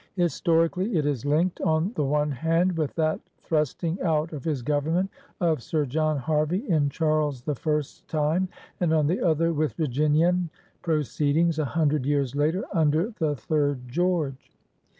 '* Historically, it is linked on the one hand with that "thrusting out of his government of Sir John Harvey in Charles I*s time, and on the other with Virginian proceedings a himdred years later under the third George.